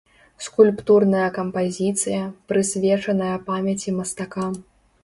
Скульптурная кампазіцыя, прысвечаная памяці мастака.